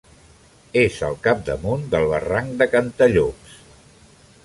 És al capdamunt del barranc de Cantallops.